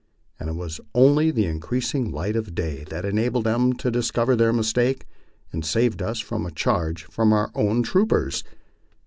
And it was only the increasing light of day that enabled them to dis cover their mistake and saved us from a charge from our own troopers.